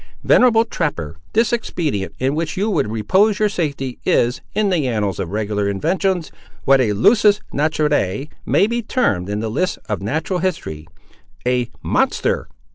Venerable trapper, this expedient, in which you would repose your safety, is, in the annals of regular inventions, what a lusus naturae may be termed in the lists of natural history—a monster!"